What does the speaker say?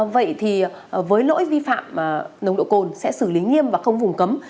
vậy thì với lỗi vi phạm nồng độ cồn sẽ xử lý nghiêm và không vùng cấm